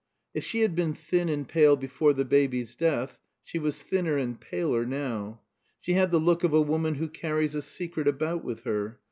If she had been thin and pale before the baby's death, she was thinner and paler now. She had the look of a woman who carries a secret about with her.